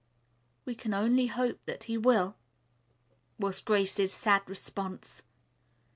"We can only hope that he will," was Grace's sad response.